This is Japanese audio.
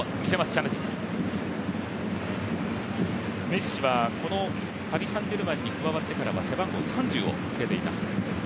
メッシはこのパリ・サン＝ジェルマンに加わってからは背番号３０をつけています。